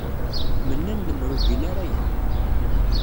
Mennan lemmer ur gin ara aya.